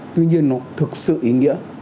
tuy nhiên nó thực sự ý nghĩa